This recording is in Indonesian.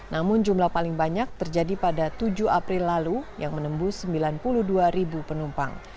namun jumlah paling banyak terjadi pada tujuh april lalu yang menembus sembilan puluh dua ribu penumpang